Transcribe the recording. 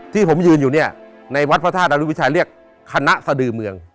ที่ผมยืนอยู่เนี่ยในวัดพระธาตุอรุวิชัยเรียกคณะสดือเมือง